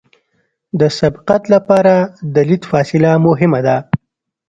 د سبقت لپاره د لید فاصله مهمه ده